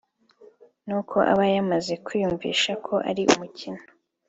n’uko abayamaze kwiyumvisha ko ari umukino